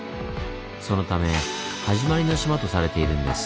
そのため「はじまりの島」とされているんです。